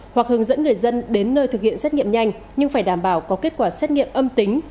hoặc hướng dẫn người dân đến nơi thực hiện xét nghiệm nhanh nhưng phải đảm bảo có kết quả xét nghiệm âm tính